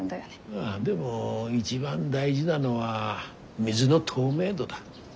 ああでも一番大事なのは水の透明度だ。